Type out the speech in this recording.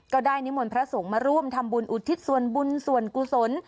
ก็ได้นิมวลพระสงฆ์มาร่วมทำบุญอุทิศสวนบุญสวนกุศล